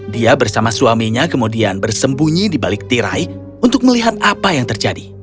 dia bersama suaminya kemudian bersembunyi di balik tirai untuk melihat apa yang terjadi